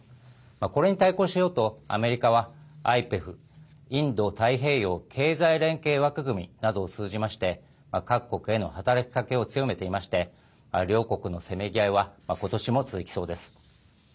これに対抗しようとアメリカはＩＰＥＦ＝インド太平洋経済連携枠組みなどを通じまして各国への働きかけを強めていまして両国のせめぎ合いは今年も続きそうです。